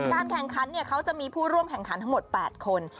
การแข่งขันเขาจะมีผู้ร่วมแข่งขันทั้งหมด๘คน